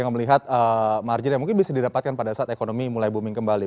yang melihat margin yang mungkin bisa didapatkan pada saat ekonomi mulai booming kembali